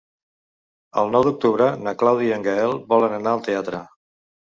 El nou d'octubre na Clàudia i en Gaël volen anar al teatre.